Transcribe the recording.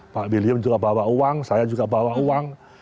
pak william juga bawa uang saya juga bawa uang